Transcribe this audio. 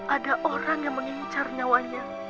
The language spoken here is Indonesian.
ada orang yang mengincar nyawanya